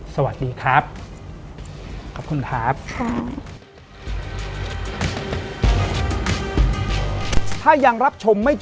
สวัสดีครับ